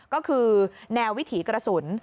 ก็คือแนววิถีกระสุน